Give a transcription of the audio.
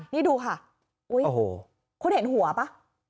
นี่ดูค่ะคุณเห็นหัวป่ะ